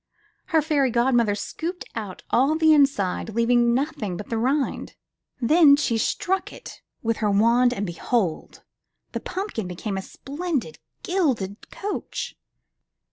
Her fairy godmother scooped out all the inside, leaving nothing but the rind; then she struck it with her wand and behold! the pumpkin became a splendid gilded coach!